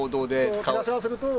照らし合わせると？